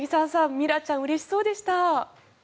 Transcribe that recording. ミラちゃん、うれしそうでした。